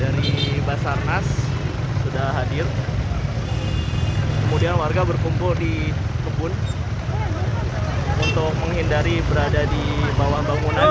dari basarnas sudah hadir kemudian warga berkumpul di kebun untuk menghindari berada di bawah bangunan